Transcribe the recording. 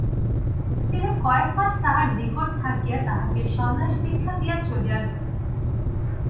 তিনি কয়েক মাস তাঁহার নিকট থাকিয়া তাঁহাকে সন্ন্যাস-দীক্ষা দিয়া চলিয়া গেলেন।